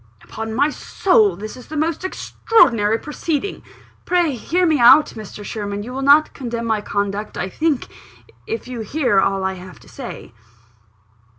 "Upon my soul this is the most extraordinary proceeding !" "Pray hear me out, Mr. Sherwin: you will not condemn my conduct, I think, if you hear all I have to say."